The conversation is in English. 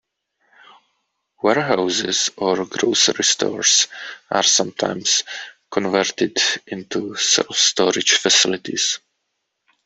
Warehouses or grocery stores are sometimes converted into self-storage facilities.